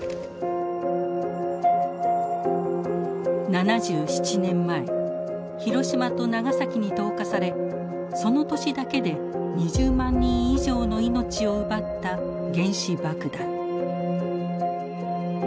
７７年前広島と長崎に投下されその年だけで２０万人以上の命を奪った原子爆弾。